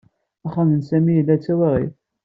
Axxam n Sami yella d tawaɣit.